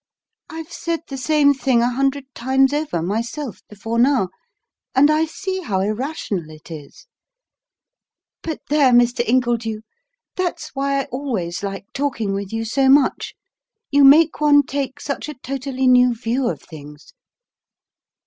"I've said the same thing a hundred times over myself before now; and I see how irrational it is. But, there, Mr. Ingledew, that's why I always like talking with you so much: you make one take such a totally new view of things."